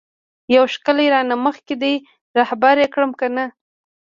یو ښکلی رانه مخکی دی رهبر یی کړم کنه؟